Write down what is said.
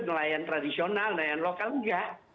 nelayan tradisional nelayan lokal enggak